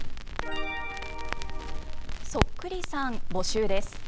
そっくりさん募集です。